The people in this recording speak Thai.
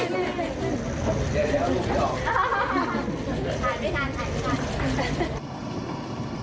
หายไม่นานหายไม่นาน